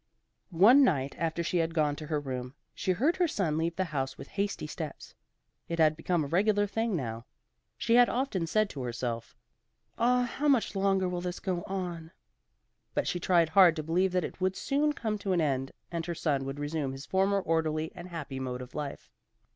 One night after she had gone to her room she heard her son leave the house with hasty steps. It had become a regular thing now. She had often said to herself, "Ah! how much longer will this go on?" but she tried hard to believe that it would soon come to an end, and her son would resume his former orderly and happy mode of life.